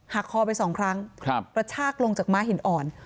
คอไปสองครั้งกระชากลงจากม้าหินอ่อน